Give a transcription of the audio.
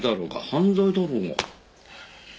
犯罪だろうが。